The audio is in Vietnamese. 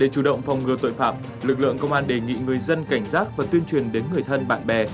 để chủ động phòng ngừa tội phạm lực lượng công an đề nghị người dân cảnh giác và tuyên truyền đến người thân bạn bè